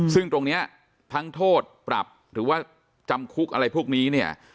ซึ่งตรงนี้ทั้งโทษปรับหรือว่าจำคุกอะไรพวกนี้เนี่ย